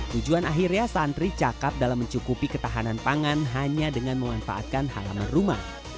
tujuan akhirnya santri cakap dalam mencukupi ketahanan pangan hanya dengan memanfaatkan halaman rumah